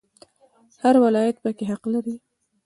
هر ولایت پکې حق لري